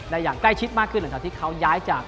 อย่างใกล้ชิดมากขึ้นหลังจากที่เขาย้ายจาก